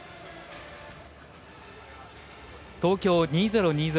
東京２０２０